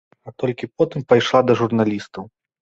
А толькі потым пайшла да журналістаў.